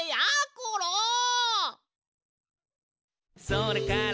「それから」